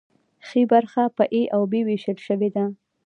ښي برخه په ای او بي ویشل شوې ده.